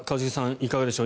いかがでしょう。